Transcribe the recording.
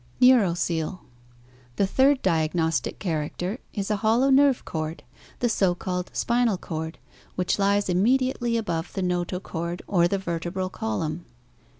460 ORIGIN OF VERTEBRATES 461 Neuroccele — The third diagnostic character is a hollow nerve cord, the so called spinal cord, which lies immediately above the notochord or the vertebral column.